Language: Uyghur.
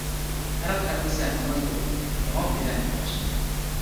پەرق ئەتمىسە ئامال يوق، يامان بىلەن ياخشىنى.